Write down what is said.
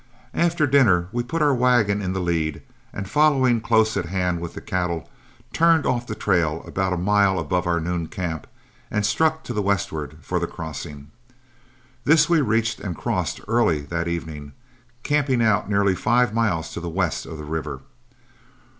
After dinner we put our wagon in the lead, and following close at hand with the cattle, turned off the trail about a mile above our noon camp and struck to the westward for the crossing. This we reached and crossed early that evening, camping out nearly five miles to the west of the river.